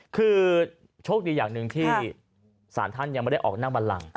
คือโชคดีอย่างหนึ่งที่สารท่านยังไม่ได้ออกนั่งบันลัง